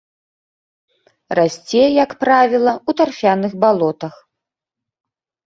Расце, як правіла, у тарфяных балотах.